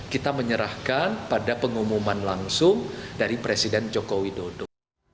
kita menyerahkan pada pengumuman langsung dari presiden jokowi dodo